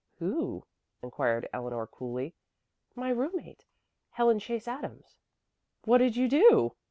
"Who?" inquired Eleanor coolly. "My roommate Helen Chase Adams." "What did you do?"